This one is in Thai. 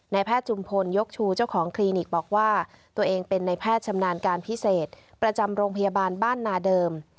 แพทย์จุมพลยกชูเจ้าของคลินิกบอกว่าตัวเองเป็นในแพทย์ชำนาญการพิเศษประจำโรงพยาบาลบ้านนาเดิม